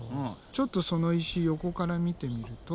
ちょっとその石横から見てみると。